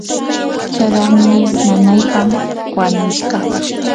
chaqannin nanaypam wanushqa.